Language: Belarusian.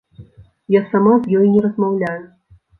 Я сама з ёй не размаўляю.